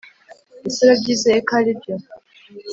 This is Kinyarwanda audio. ese urabyizeye ko aribyo?